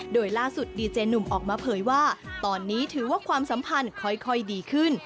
โดยล่าสุดดีเจหนุ่มออกมาเผยว่าตอนนี้ถือว่าความสัมพันธ์ค่อยดีขึ้น